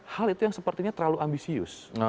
hal itu yang sepertinya terlalu ambisius